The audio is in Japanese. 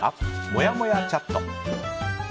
もやもやチャット。